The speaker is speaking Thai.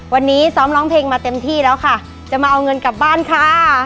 วันนี้ซ้อมร้องเพลงมาเต็มที่แล้วค่ะจะมาเอาเงินกลับบ้านค่ะ